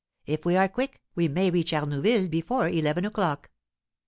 If we are quick, we may reach Arnouville before eleven o'clock."